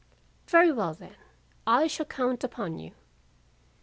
"Very well, then, I shall count upon you."